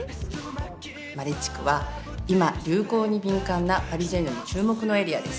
マレ地区は今流行に敏感なパリジェンヌの注目のエリアです。